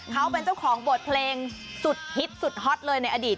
เขาเป็นเจ้าของบทเพลงสุดฮิตสุดฮอตเลยในอดีต